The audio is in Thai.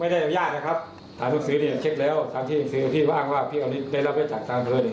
ได้รับไว้จากทาง๔๘